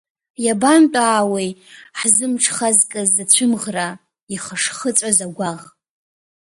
Иабантәаауеи ҳзымҽхазкыз ацәымӷра, ихышхыҵәаз агәаӷ?